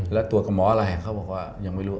แล้วตรวจกับหมออะไรเขาบอกว่ายังไม่รู้